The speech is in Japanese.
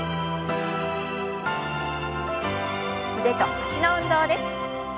腕と脚の運動です。